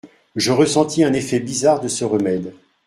Je ressentis un effet bizarre de ce remède.